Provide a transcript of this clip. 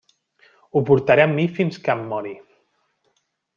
Ho portaré amb mi fins que em mori.